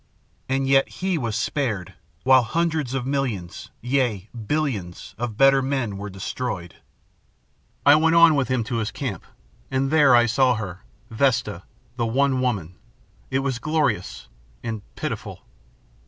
And yet he was spared, while hundreds of millions, yea, billions, of better men were destroyed. [Illustration: Vesta the one woman 150] "I went on with him to his camp, and there I saw her, Vesta, the one woman. It was glorious and... pitiful.